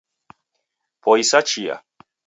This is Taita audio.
Poisa chia